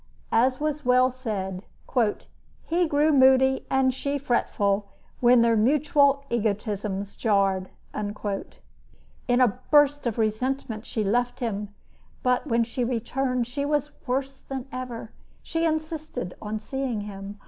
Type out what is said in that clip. As was well said, "he grew moody and she fretful when their mutual egotisms jarred." In a burst of resentment she left him, but when she returned, she was worse than ever. She insisted on seeing him.